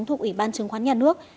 thuộc ủy ban chứng khoán nhà nước